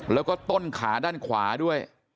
แล้วก็ต้นขาด้านขวาด้วย